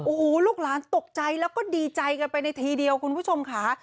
โอ้โหลูกหลานตกใจแล้วก็ดีใจกันไปในทีเดียวคุณผู้ชมค่ะ